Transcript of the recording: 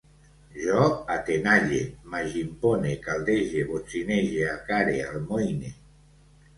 Jo atenalle, m'agimpone, caldege, botzinege, acare, almoine